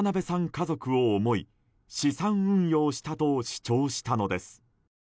家族を思い資産運用したと主張したのです。